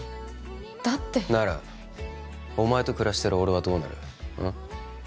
だってならお前と暮らしてる俺はどうなるうん？